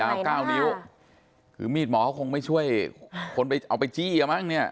เก้านิ้วคือมีดหมอเขาคงไม่ช่วยคนไปเอาไปจี้อมั้งเนี่ย